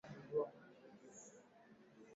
ndeketela kwa upande ya yale ambayo ulitukusanyia